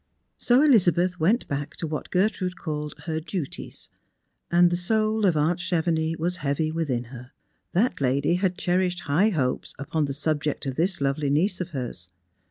So Elizabeth went back to what Gertrude called her " duties," and the soul of aunt Chevenix was heavy within her. That lady had cherished high hopes upon the subject of this lovely niece of hers.